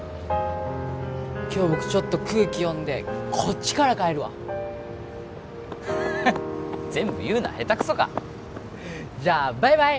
今日僕ちょっと空気読んでこっちから帰るわ全部言うなヘタクソかじゃあバイバイ！